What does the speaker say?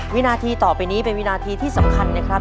วินาทีต่อไปนี้เป็นวินาทีที่สำคัญนะครับ